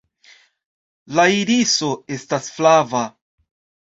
La iriso estas flava.